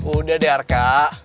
udah deh arka